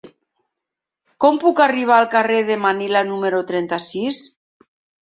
Com puc arribar al carrer de Manila número trenta-sis?